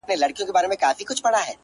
زما د زړه د كور ډېوې خلگ خبري كوي.!